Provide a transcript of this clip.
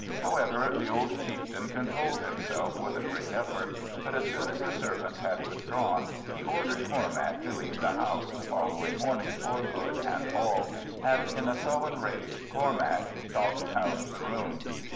However, the old chieftain controlled himself with a great effort, but as soon as the servants had withdrawn he ordered Cormac to leave the house the following morning for good and all, and in a sullen rage Cormac stalked out of the room.